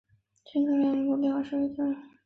圣克莱芒人口变化图示